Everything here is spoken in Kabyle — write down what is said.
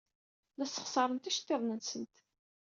La ssexṣarenT iceḍḍiḍen-nsent.